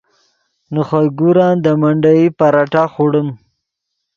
نے خوئے گورن دے منڈیئی پراٹھہ خوڑیم